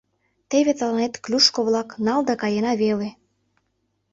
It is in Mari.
Теве тыланет клюшко-влак, нал да каена веле...